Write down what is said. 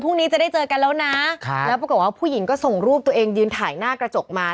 จะได้เจอกันแล้วนะแล้วปรากฏว่าผู้หญิงก็ส่งรูปตัวเองยืนถ่ายหน้ากระจกมา